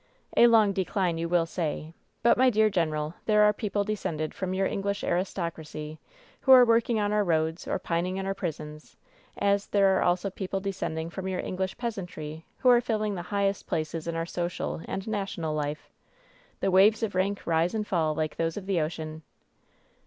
A long decline, you will say, but, my dear general, there are people descended from your English aristocracy who are working on our roads, or pining ui WHEN SHADOWS DDE 263 our prisons, as there are also people descended from your English peasantry who are filling the highest places in our social and national life. The waves of rank rise and fall like those of the ocean